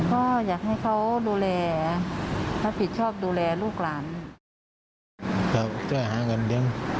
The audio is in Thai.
ก็อยากให้เขาดูแล